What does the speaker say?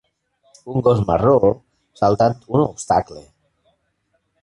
Un gos marró saltant un obstacle.